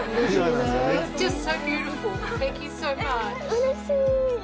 うれしい。